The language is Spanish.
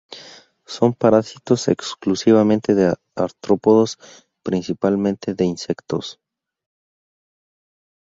Son parásitos exclusivamente de artrópodos, principalmente de insectos.